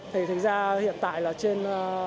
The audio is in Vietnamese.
thì thực ra hiện tại là trên